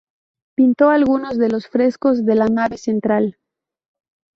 Pintó algunos de los frescos de la nave central.